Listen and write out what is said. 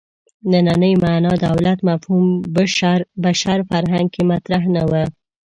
نننۍ معنا دولت مفهوم بشر فرهنګ کې مطرح نه و.